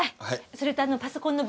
それとあのパソコンの分析も。